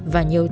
và nhiều tâm lý